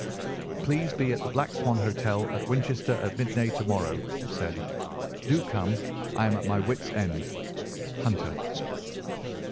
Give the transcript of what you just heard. "Please be at the Black Swan Hotel at Winchester at midday to morrow," it said. "Do come! I am at my wit's end. "HUNTER."